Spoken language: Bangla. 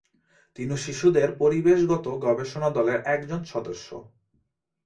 তিনি শিশুদের পরিবেশগত গবেষণা দলের একজন সদস্য।